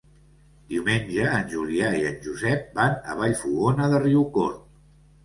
Diumenge en Julià i en Josep van a Vallfogona de Riucorb.